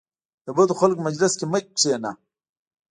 د بدو خلکو مجلس کې مه کینه .